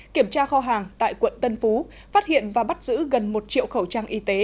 kiểm tra kho hàng tại quận tân phú phát hiện và bắt giữ gần một triệu khẩu trang y tế